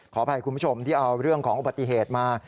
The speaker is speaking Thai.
ขออภัยคุณผู้ชมที่เอาเรื่องของอุบัติเหตุมา